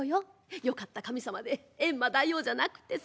よかった神様でエンマ大王じゃなくってさ。